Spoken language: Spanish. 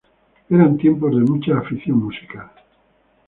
Eran tiempos de mucha afición musical.